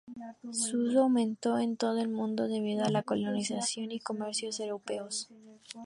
Su uso aumentó en todo el mundo debido a la colonización y comercio europeos.